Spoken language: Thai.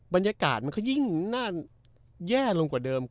บรรยากาศมันก็ยิ่งน่าแย่ลงกว่าเดิม